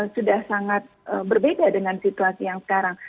sudah sangat berbeda dengan situasi yang sekarang